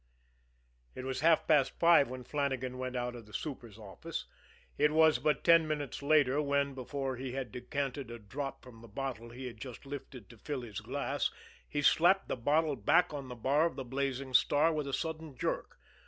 It was half past five when Flannagan went out of the super's office; it was but ten minutes later when, before he had decanted a drop from the bottle he had just lifted to fill his glass, he slapped the bottle back on the bar of the Blazing Star with a sudden jerk.